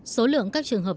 số lượng các trường hợp